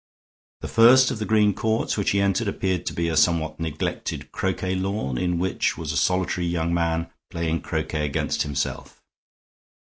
The first of the green courts which he entered appeared to be a somewhat neglected croquet lawn, in which was a solitary young man playing croquet against himself.